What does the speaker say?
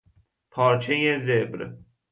پارچهی زبر